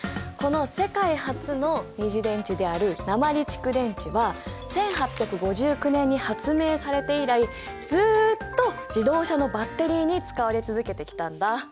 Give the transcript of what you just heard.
この世界初の二次電池である鉛蓄電池は１８５９年に発明されて以来ずっと自動車のバッテリーに使われ続けてきたんだ。